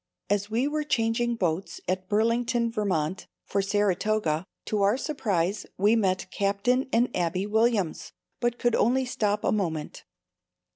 As we were changing boats at Burlington, Vt, for Saratoga, to our surprise, we met Captain and Abbie Williams, but could only stop a moment.